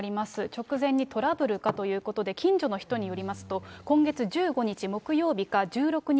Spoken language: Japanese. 直前にトラブルかということで、近所の人によりますと、今月１５日木曜日か１６日